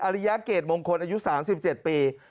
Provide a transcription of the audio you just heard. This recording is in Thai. ริยเกรดมงคลอายุ๓๗ปี